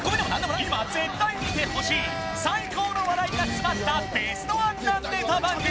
今絶対見てほしい最高の笑いが詰まったベストワンなネタ番組